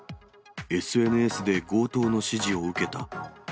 ＳＮＳで強盗の指示を受けた。